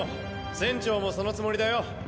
船長もそのつもりだよ。